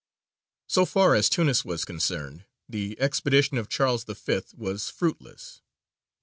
_ So far as Tunis was concerned the expedition of Charles V. was fruitless.